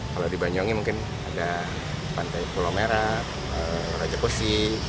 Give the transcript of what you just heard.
kalau di banyuwangi mungkin ada pantai pulau merah raja kusi